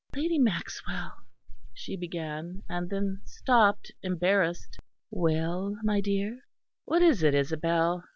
"Lady Maxwell " she began, and then stopped, embarrassed. "Well, my dear?" "What is it, Isabel?"